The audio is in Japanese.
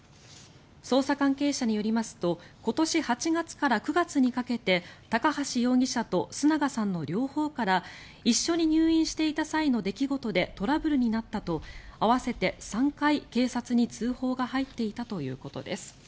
捜査関係者によりますと今年８月から９月にかけて高橋容疑者と須永さんの両方から一緒に入院していた際の出来事でトラブルになったと合わせて３回、警察に通報が入っていたということです。